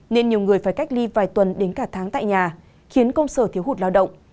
nên nhiều người phải cách ly vài tuần đến cả tháng tại nhà khiến công sở thiếu hụt lao động